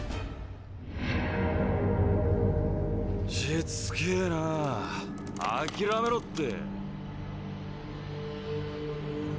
しつけぇな諦めろって。